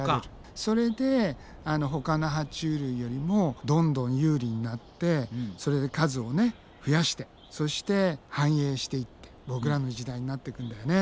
それでほかのは虫類よりもどんどん有利になってそれで数を増やしてそして繁栄していってボクらの時代になっていくんだよね。